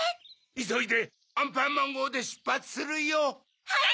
・・いそいで「アンパンマンごう」でしゅっぱつするよ！・・はい！